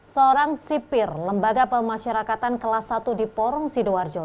seorang sipir lembaga pemasyarakatan kelas satu di porong sidoarjo